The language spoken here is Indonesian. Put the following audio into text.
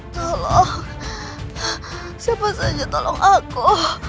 tolong siapa saja tolong aku